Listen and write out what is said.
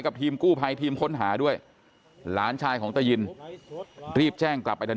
ทีมกู้ภัยทีมค้นหาด้วยหลานชายของตายินรีบแจ้งกลับไปทัน